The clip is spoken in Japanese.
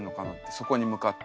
そこに向かって。